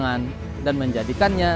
gelatan tangan dan menjadikannya